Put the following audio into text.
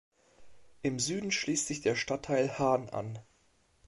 Im Süden schließt sich der Stadtteil Hahn an.